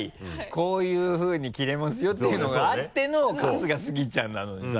「こういうふうに着れますよ」っていうのがあっての春日スギちゃんなのにさ。